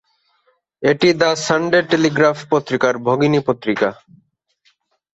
এটি "the Sunday Telegraph" পত্রিকার ভগিনী পত্রিকা।